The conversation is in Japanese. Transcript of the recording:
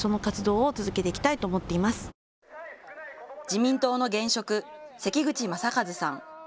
自民党の現職、関口昌一さん。